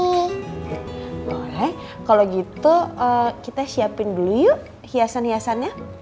mulai kalau gitu kita siapin dulu yuk hiasan hiasannya